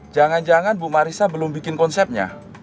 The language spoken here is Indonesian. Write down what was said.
jangan jangan bu marisa belum bikin konsepnya